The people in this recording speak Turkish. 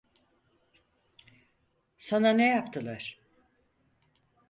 Sana ne yaptılar?